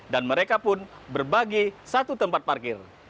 dan mereka pun berbagi satu tempat parkir